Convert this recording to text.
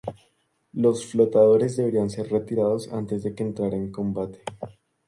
Los flotadores deberían ser retirados antes de que entrara en combate.